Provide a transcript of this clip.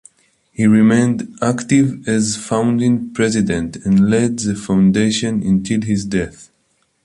He remained active as founding president and led the foundation until his death.